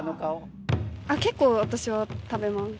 結構私は食べます。